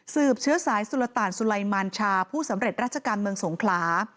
สืบเชื้อสายสุลต่านสุลัยมาลชาผู้สำเร็จราชกรรมเมืองสงครา